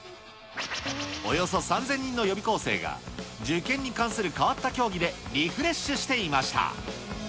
およそ３０００人の予備校生が、受験に関する変わった競技でリフレッシュしていました。